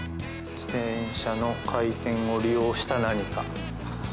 自転車の回転を利用した何か。